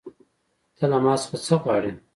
ته له ما څخه څه غواړې